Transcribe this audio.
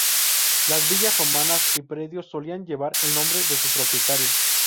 Las villas romanas y predios solían llevar el nombre de su propietario.